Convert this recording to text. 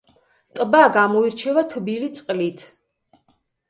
ტბა გამოირჩევა თბილი წყლით.